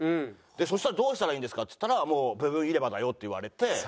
そしたらどうしたらいいんですかっつったらもう部分入れ歯だよって言われて。